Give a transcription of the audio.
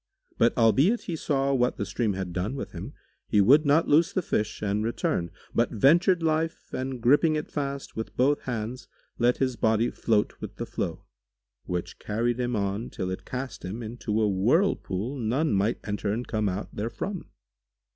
But albeit he saw what the stream had done with him, he would not loose the fish and return, but ventured life and gripping it fast with both hands, let his body float with the flow, which carried him on till it cast him into a whirlpool[FN#146] none might enter and come out therefrom.